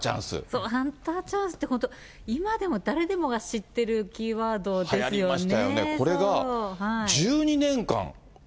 そう、ハンターチャンスって、本当、今でも誰でもが知ってるキーワードですよね。